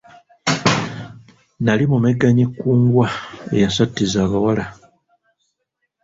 Nali mumegganyi kkungwa eyasattiza abawala.